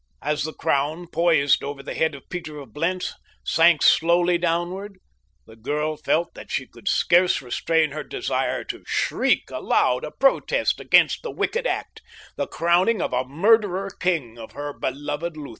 As the crown, poised over the head of Peter of Blentz, sank slowly downward the girl felt that she could scarce restrain her desire to shriek aloud a protest against the wicked act—the crowning of a murderer king of her beloved Lutha.